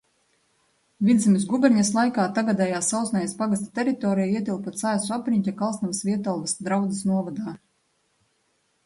Vidzemes guberņas laikā tagadējā Sausnējas pagasta teritorija ietilpa Cēsu apriņķa Kalsnavas–Vietalvas draudzes novadā.